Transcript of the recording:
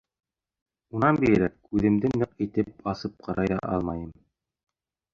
Унан бигерәк, күҙемде ныҡ итеп асып ҡарай ҙа алмайым.